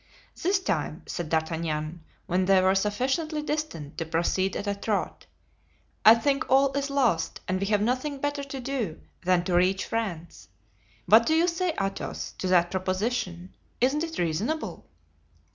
"This time," said D'Artagnan, when they were sufficiently distant to proceed at a trot, "I think all is lost and we have nothing better to do than to reach France. What do you say, Athos, to that proposition? Isn't it reasonable?"